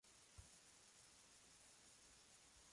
Su padre es Genaro Luna, y su madre es Alicia Rodríguez Rodríguez.